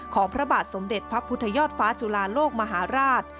พระบาทสมเด็จพระพุทธยอดฟ้าจุลาโลกมหาราช